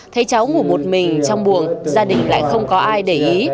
thấy cháu ngủ một mình trong buồng gia đình lại không có ai để ý